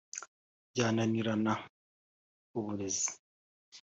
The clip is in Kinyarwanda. byananirana […] uburezi